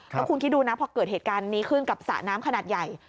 แล้วคุณคิดดูนะพอเกิดเหตุการณ์นี้ขึ้นกับสระน้ำขนาดใหญ่